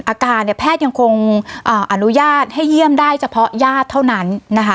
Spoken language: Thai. อาการเนี่ยแพทย์ยังคงอนุญาตให้เยี่ยมได้เฉพาะญาติเท่านั้นนะคะ